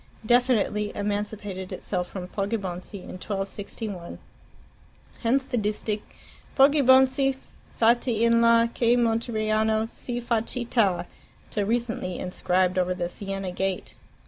definitely emancipated itself from Poggibonsi in 1261. Hence the distich, "POGGIBONIZZI, FAUI IN LA, CHE MONTERIANO SI FA CITTA!" till recently enscribed over the Siena gate.